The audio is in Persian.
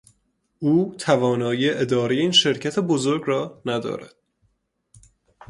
او توانایی اداره این شرکت بزرگ را ندارد.